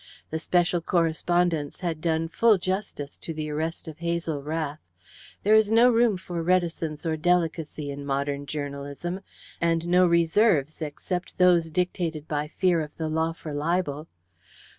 The special correspondents had done full justice to the arrest of Hazel Rath. There is no room for reticence or delicacy in modern journalism, and no reserves except those dictated by fear of the law for libel.